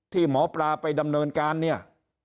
ที่หมอปลาไปดำเนินการเนี่ย